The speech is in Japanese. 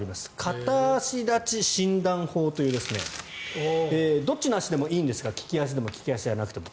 片足立ち診断法というどっちの足でもいいんですが利き足でも、そうじゃなくても。